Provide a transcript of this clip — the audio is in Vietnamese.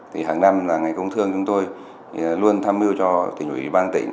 thì hàng năm là ngành công thương chúng tôi luôn tham mưu cho tỉnh ủy ban tỉnh